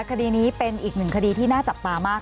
คดีนี้เป็นอีกหนึ่งคดีที่น่าจับตามาก